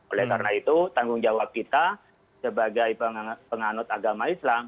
oleh karena itu tanggung jawab kita sebagai penganut agama islam